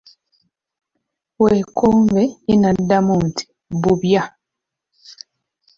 Weekombe ye n'addamu nti bubya.